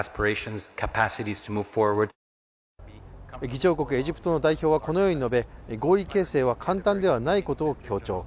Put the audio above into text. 議長国・エジプトの代表はこのように述べ合意形成は簡単ではないことを強調。